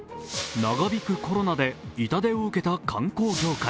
長引くコロナで痛手を受けた観光業界。